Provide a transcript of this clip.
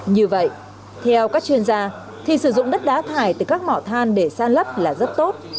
như vậy theo các chuyên gia thì sử dụng đất đá thải từ các mỏ than để san lấp là rất tốt